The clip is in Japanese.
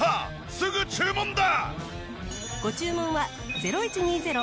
すぐ注文だ！